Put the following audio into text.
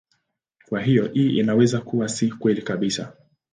Kwa hiyo hii inaweza kuwa si kweli kabisa.